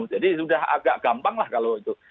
sudah agak gampang lah kalau itu